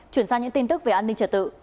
chuyển sang những tin tức về an ninh trật tự